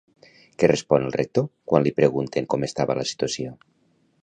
Què respon el Rector quan li pregunten com estava la situació?